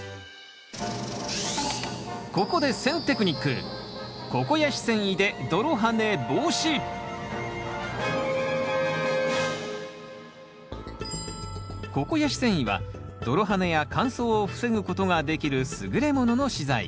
ここでココヤシ繊維は泥はねや乾燥を防ぐことができる優れものの資材。